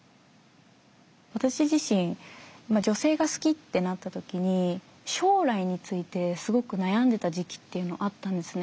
私自身女性が好きってなった時に将来についてすごく悩んでた時期っていうのあったんですね。